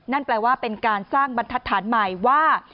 นั่นแปลว่าเป็นการสร้างบรรทัศน์ใหม่ว่า